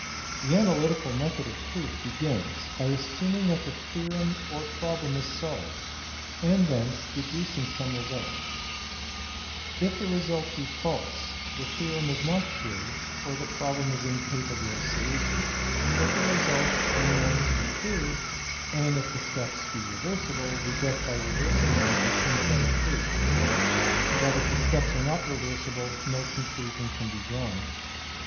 The analytical method of proof begins by assuming that the theorem or problem is solved, and thence deducing some result : if the result be false, the theorem is not true or the problem is incapable of solution : if the result be known to be true, and if the steps be reversible, we get (by reversing them) a synthetic proof; but if the steps be not reversible, no conclusion can be drawn.